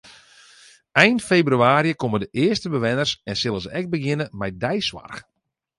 Ein febrewaarje komme de earste bewenners en sille se ek begjinne mei deisoarch.